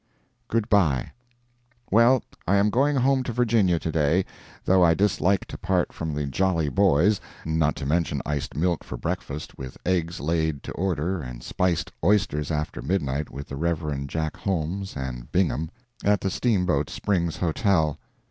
GOOD BYE. Well, I am going home to Virginia to day, though I dislike to part from the jolly boys (not to mention iced milk for breakfast, with eggs laid to order, and spiced oysters after midnight with the Reverend Jack Holmes and Bingham) at the Steamboat Springs Hotel.